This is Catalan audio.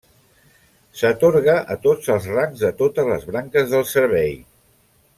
S'atorga a tots els rangs de totes les branques del servei.